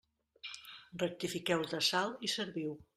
Rectifiqueu de sal i serviu.